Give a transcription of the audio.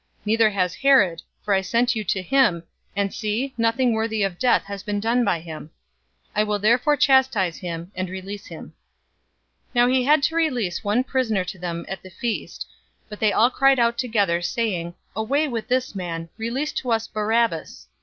023:015 Neither has Herod, for I sent you to him, and see, nothing worthy of death has been done by him. 023:016 I will therefore chastise him and release him." 023:017 Now he had to release one prisoner to them at the feast. 023:018 But they all cried out together, saying, "Away with this man! Release to us Barabbas!"